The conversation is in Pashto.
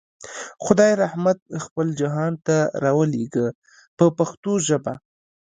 خدای رحمت خپل جهان ته راولېږه په پښتو ژبه.